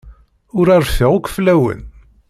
Ur rfiɣ akk fell-awen.